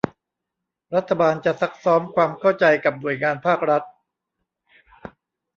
รัฐบาลจะซักซ้อมความเข้าใจกับหน่วยงานภาครัฐ